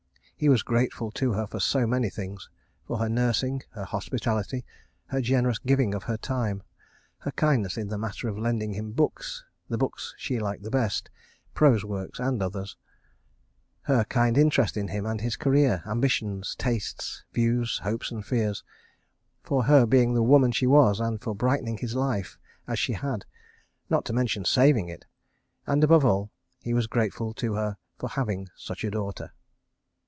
He was grateful to her for so many things—for her nursing, her hospitality, her generous giving of her time; her kindness in the matter of lending him books (the books she liked best, prose works and others); her kind interest in him and his career, ambitions, tastes, views, hopes and fears; for her being the woman she was and for brightening his life as she had, not to mention saving it; and, above all, he was grateful to her for having such a daughter.